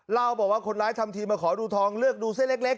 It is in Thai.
เล่าบอกว่าคนร้ายทำทีมาขอดูทองเลือกดูเส้นเล็ก